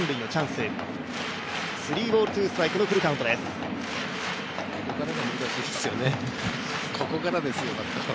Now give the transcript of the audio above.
スリーボールツーストライクのフルカウントです。